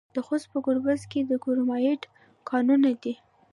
د خوست په ګربز کې د کرومایټ کانونه دي.